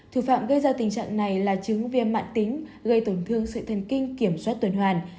thủ phạm gây ra tình trạng này là chứng viêm mạng tính gây tổn thương sự thần kinh kiểm soát tuần hoàn